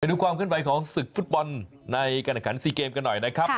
ดูความขึ้นไหวของศึกฟุตบอลในการแข่งขันซีเกมกันหน่อยนะครับ